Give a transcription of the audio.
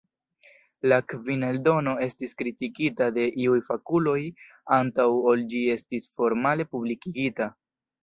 La kvina eldono estis kritikita de iuj fakuloj antaŭ ol ĝi estis formale publikigita.